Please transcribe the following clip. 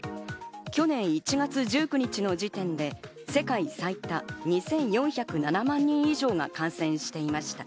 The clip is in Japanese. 去年１月１９日の時点で世界最多２４０７万人以上が感染していました。